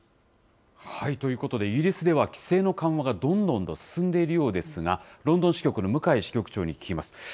ということで、イギリスでは規制の緩和がどんどんと進んでいるようですが、ロンドン支局の向井支局長に聞きます。